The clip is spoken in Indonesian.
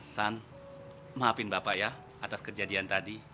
san maafin bapak ya atas kejadian tadi